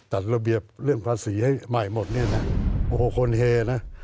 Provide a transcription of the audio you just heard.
ตัดระเบียบต่อใหม่บทศาสตร์ควรเฮนะ